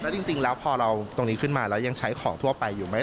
จริงแล้วพอเราตรงนี้ขึ้นมาแล้วยังใช้ของทั่วไปอยู่ไหม